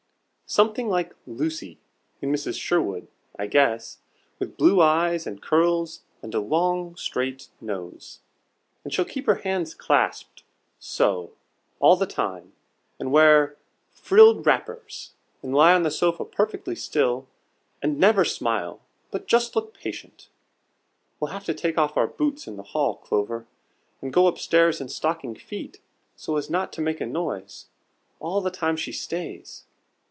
"Something like 'Lucy,' in Mrs. Sherwood, I guess, with blue eyes, and curls, and a long, straight nose. And she'll keep her hands clasped so all the time, and wear 'frilled wrappers,' and lie on the sofa perfectly still, and never smile, but just look patient. We'll have to take off our boots in the hall, Clover, and go up stairs in stocking feet, so as not to make a noise, all the time she stays."